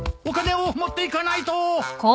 お金を持っていかないと！